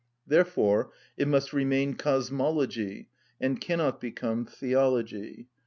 Therefore it must remain cosmology, and cannot become theology.